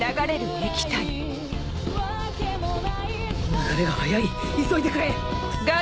流れが速い急いでくれ！